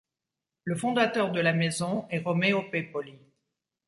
Le fondateur de la maison est Romeo Pepoli.